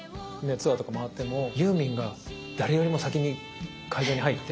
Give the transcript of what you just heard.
ツアーとか回ってもユーミンが誰よりも先に会場に入って。